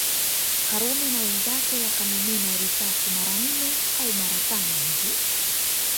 Karume na wenzake wakamimina risasi mara nne au mara tano hivi